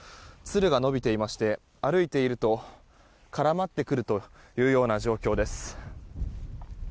つるが伸びていまして歩いていると絡まってくる状況です。